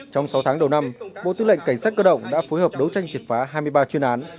trong sáu tháng đầu năm bộ tư lệnh cảnh sát cơ động đã phối hợp đấu tranh triệt phá hai mươi ba chuyên án